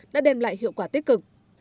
đã đem lại hiệu quả tích cực